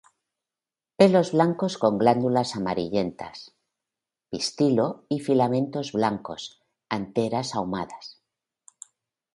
Pelos blancos con glándulas amarillentas; pistilo y filamentos blancos, anteras ahumadas.